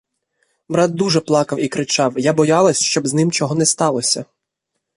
Брат дуже плакав і кричав, я боялась, щоб з ним чого не сталося.